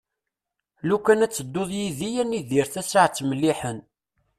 Lukan ad tedduḍ d yid-i ad nidir tasaɛet melliḥen.